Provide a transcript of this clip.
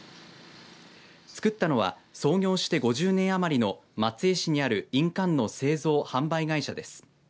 作ったのは創業して５０年余りの松江市にある印鑑の製造販売会社です。